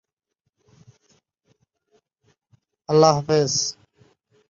হিন্দুধর্মের শৈব সিদ্ধান্ত সম্প্রদায়ে পাশ হল ‘পতি-পশু-পাশ’ ত্রয়ীর একটি অংশ।